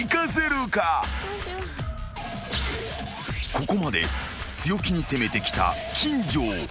［ここまで強気に攻めてきた金城］